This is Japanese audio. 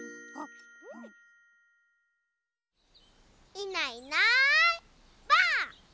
いないいないばあっ！